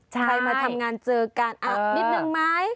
ใครมาทำงานเจอกันนิดนึงไหม